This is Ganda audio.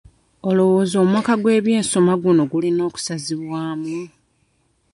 Olowooza omwaka gw'ebyensoma guno gulina okusazibwamu?